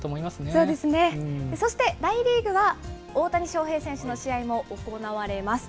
そうですね、そして大リーグは、大谷翔平選手の試合も行われます。